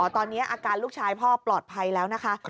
ตอนนี้อาการลูกชายพ่อปลอดภัยแล้วนะคะ